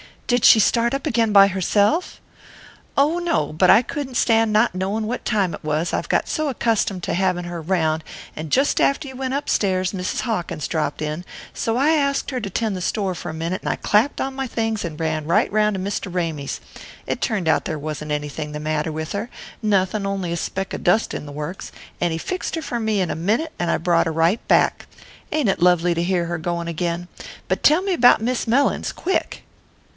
"Did she start up again by herself?" "Oh, no; but I couldn't stand not knowing what time it was, I've got so accustomed to having her round; and just after you went upstairs Mrs. Hawkins dropped in, so I asked her to tend the store for a minute, and I clapped on my things and ran right round to Mr. Ramy's. It turned out there wasn't anything the matter with her nothin' on'y a speck of dust in the works and he fixed her for me in a minute and I brought her right back. Ain't it lovely to hear her going again? But tell me about Miss Mellins, quick!"